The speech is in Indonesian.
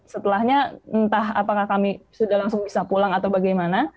setelahnya entah apakah kami sudah langsung bisa pulang atau bagaimana